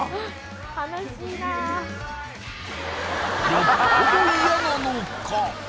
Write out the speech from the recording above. よっぽど嫌なのか？